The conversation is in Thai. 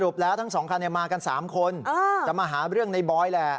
สรุปแล้วทั้งสองคันเนี้ยมากันสามคนเออจะมาหาเรื่องในบอยแหละ